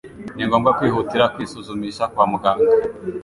ni ngombwa kwihutira kwisuzumisha kwa muganga.